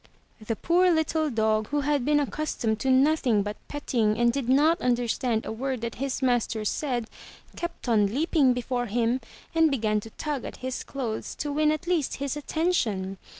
*' The poor little dog who had been accustomed to nothing but petting and did not understand a word that his master said, kept on leaping before him and began to tug at his clothes to win at least his attention.